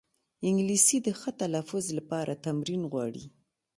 انګلیسي د ښه تلفظ لپاره تمرین غواړي